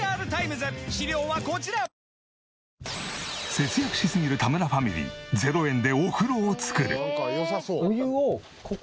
節約しすぎる田村ファミリー０円でお風呂を作る。